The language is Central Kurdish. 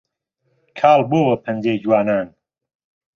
کاڵ بۆوە پەنجەی جوانان